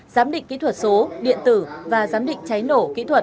giám định kỹ thuật số điện tử và giám định cháy nổ